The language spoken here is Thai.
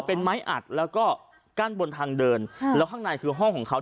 เป็นไม้อัดแล้วก็กั้นบนทางเดินแล้วข้างในคือห้องของเขา